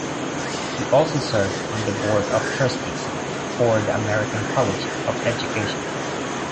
He also serves on the Board of Trustees for the American College of Education.